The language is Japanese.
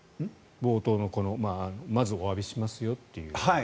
冒頭のまずおわびしますよという。